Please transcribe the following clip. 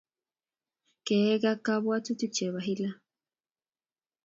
Keek ak kabwatutik chepo hila.